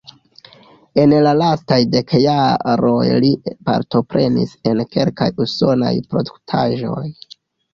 En la lastaj dek jaroj li partoprenis en kelkaj usonaj produktaĵoj.